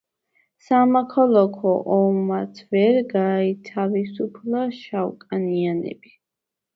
სამოქალაქო ომმაც ვერ გაათავისუფლა შავკანიანები.